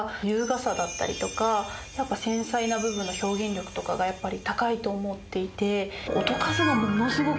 優雅さだったりとか繊細な部分の表現力とかがやっぱり高いと思っていて。